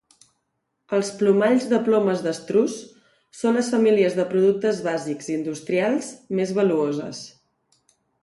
Els plomalls de plomes d'estruç són les famílies de productes bàsics industrials més valuoses.